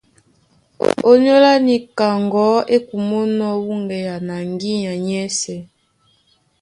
Ónyólá níka ŋgɔ̌ e kumó wúŋgea na ŋgínya nyɛ́sɛ̄.